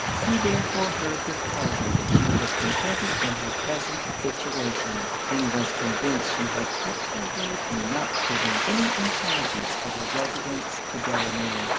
He therefore heard with pleasure that she was contented in her present situation; and was convinced she had kept her word in not giving any intelligence of her residence to Delamere.